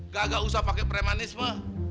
gak usah pake premanisme